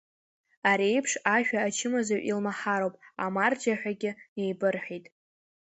Ари еиԥш ажәа ачымазаҩ илмаҳароуп, амарџьа, ҳәагьы неибырҳәеит.